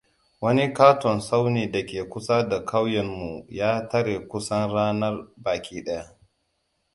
Wani ƙaton tsauni dake kusa da ƙauyenmu ya tare kusan ranar baki ɗaya.